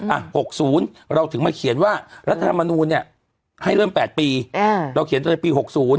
อ่ะ๖๐เราถึงมาเขียนว่ารัฐธรรมนูลเนี่ยให้เริ่ม๘ปีเราเขียนตั้งแต่ปี๖๐